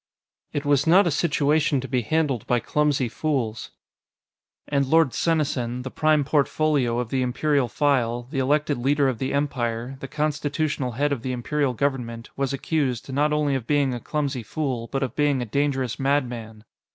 It was not a situation to be handled by clumsy fools. And Lord Senesin, the Prime Portfolio of the Imperial File, the elected leader of the Empire, the constitutional head of the Imperial Government, was accused, not only of being a clumsy fool, but of being a dangerous madman.